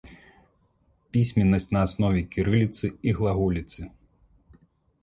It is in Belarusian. Пісьменнасць на аснове кірыліцы і глаголіцы.